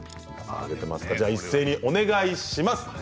一斉にお願いします。